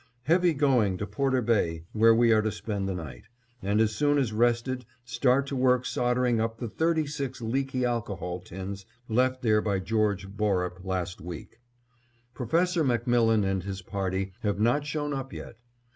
Heavy going to Porter Bay, where we are to spend the night, and as soon as rested start to work soldering up the thirty six leaky alcohol tins left there by George Borup last week. Professor MacMillan and his party have not shown up yet.